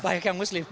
banyak yang muslim